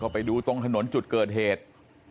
ไปดูตรงถนนจุดเกิดเหตุ